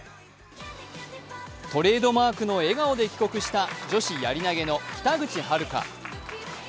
トレードマークの笑顔で帰国した女子やり投げの北口榛花。